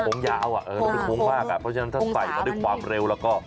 โพงยาวอ่ะโพงมากอ่ะเพราะฉะนั้นถ้าใส่กันด้วยความเร็วแล้วก็